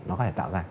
nó có thể tạo ra